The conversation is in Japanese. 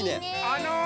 あの。